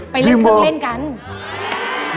ไปเล่นเครื่องเล่นกัน